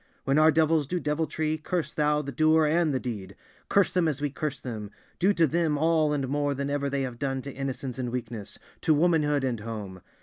When our devils do deviltry, curse Thou the doer and the deed: curse them as we curse them, do to them all and more than ever they have done to innocence and weakness, to womanhood and home.